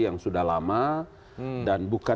yang sudah lama dan bukan